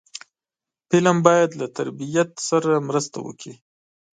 فلم باید له تربیت سره مرسته وکړي